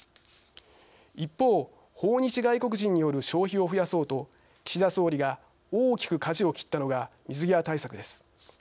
一方、訪日外国人による消費を増やそうと岸田総理が大きくかじを切ったのが水際対策です。